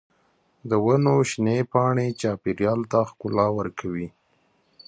د ونو شنې پاڼې چاپېریال ته ښکلا ورکوي.